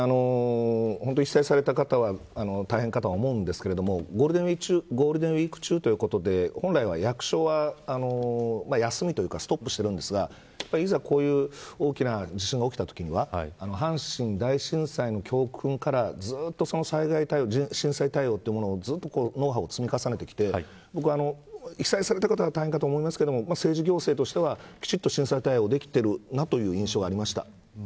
被災された方は大変かとは思うんですけれどもゴールデンウイーク中ということで本来は役所は休みというかストップしているんですがいざこういう大きな地震が起きたときには阪神大震災の教訓からずっと災害対応、震災対応というもののノウハウを積み重ねてきて僕は、被災された方は大変かと思いますが政治行政としてはきちんと震災対応できている印象がありました。